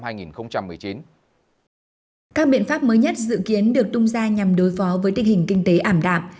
các biện pháp mới nhất dự kiến được tung ra nhằm đối phó với tình hình kinh tế ảm đạm